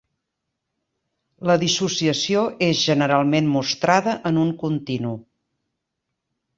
La dissociació és generalment mostrada en un continu.